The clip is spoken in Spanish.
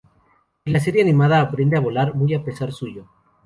En la serie animada aprende a volar muy a pesar suyo.